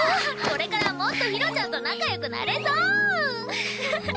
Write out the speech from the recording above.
これからもっとひろちゃんと仲良くなれそう！ハハハ。